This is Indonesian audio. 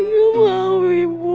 gak mau ibu